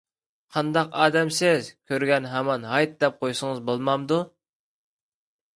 قانداق ئادەمسىز، كۆرگەن ھامان ھايت دەپ قويسىڭىز بولمامدۇ؟